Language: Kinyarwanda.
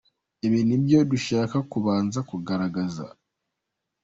Ibi ni byo dushaka kubanza kugaragaza.